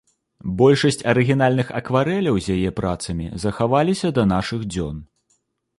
Большасць арыгінальных акварэляў з яе працамі захаваліся да нашых дзён.